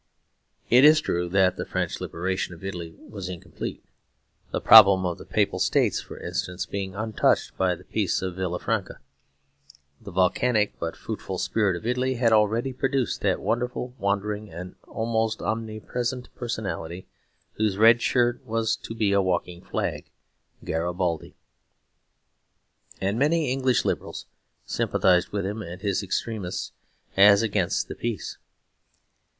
It is true that the French liberation of Italy was incomplete, the problem of the Papal States, for instance, being untouched by the Peace of Villafranca. The volcanic but fruitful spirit of Italy had already produced that wonderful, wandering, and almost omnipresent personality whose red shirt was to be a walking flag: Garibaldi. And many English Liberals sympathised with him and his extremists as against the peace.